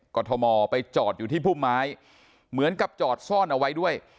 ทมไปจอดอยู่ที่พุ่มไม้เหมือนกับจอดซ่อนเอาไว้ด้วย